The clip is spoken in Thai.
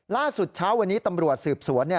ล่าสุดเช้าวันนี้ตำรวจสืบสวน